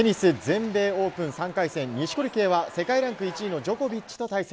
テニス全米オープン３回戦、錦織圭は世界ランク１位のジョコビッチ選手と対戦。